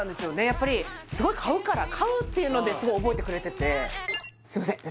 やっぱりすごい買うから買うっていうのですごい覚えてくれててすいません